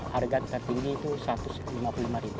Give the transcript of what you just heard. makan sekarang ini kita bisa menjual